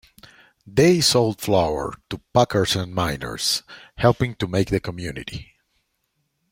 They sold flour to packers and miners, helping to make the community.